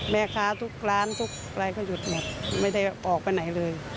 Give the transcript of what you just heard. ลูกค้าทุกร้านทุกอะไรก็หยุดหมดไม่ได้ออกไปไหนเลย